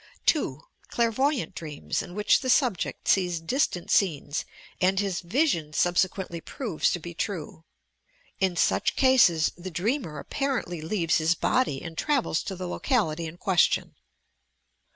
2. Clairvoyant dreams in which the subject sees dis tant scenes and his vision subsequently proves to be true. In such cases, the dreamer apparently leaves hia body and travels to the locality in question.